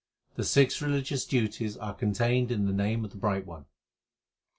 The six religious duties are contained in the name of the Bright One.